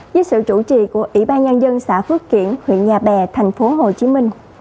với sự chủ trì của ủy ban nhân dân xã phước kiển huyện nhà bè tp hcm